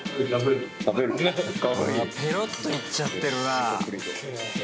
ペロッといっちゃってるなあ。